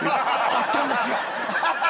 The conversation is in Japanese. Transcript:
あったんですよ。